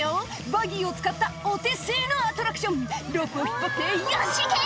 バギーを使ったお手製のアトラクション」「ロープを引っ張ってよし行け！」